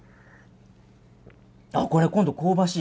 あっ、これ、今度は香ばしい。